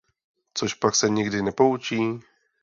Cožpak se nikdy nepoučí?